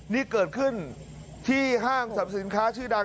นี่เกิดขึ้นที่ห้างสรรพสินค้าชื่อดัง